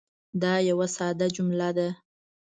دا یوه ساده جمله ده.